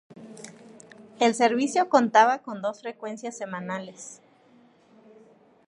El servicio contaba con dos frecuencias semanales.